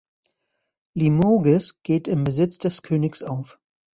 Limoges geht im Besitz des Königs auf.